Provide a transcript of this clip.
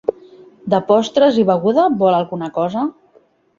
De postres i beguda vol alguna cosa?